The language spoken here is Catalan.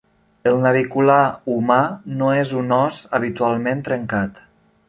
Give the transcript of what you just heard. El navicular humà no és un os habitualment trencat.